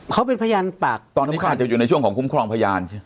เขาเป็นพยานปากตอนนั้นเขาอาจจะอยู่ในช่วงของคุ้มครองพยานใช่ไหม